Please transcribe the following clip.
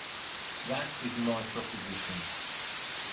That is my proposition.